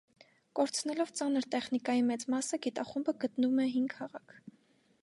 Կորցնելով ծանր տեխնիկայի մեծ մասը, գիտախումբը գտնում է հին քաղաք։